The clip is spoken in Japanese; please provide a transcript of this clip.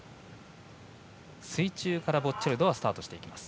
水中からボッチャルドはスタートしていきます。